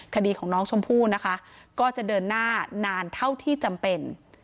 คดีของน้องชมพู่นะคะก็จะเดินหน้านานเท่าที่จำเป็น